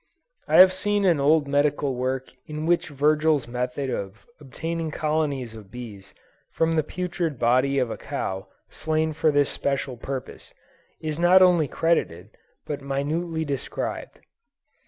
I have seen an old medical work in which Virgil's method of obtaining colonies of bees from the putrid body of a cow slain for this special purpose, is not only credited, but minutely described.